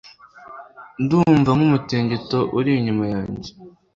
Ndumva, nkumutingito uri inyuma yanjye,